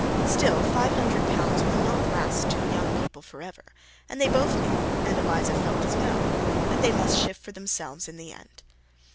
Still, 500 pounds will not last two young people for ever; and they both knew, and Eliza felt as well, that they must shift for themselves in the end.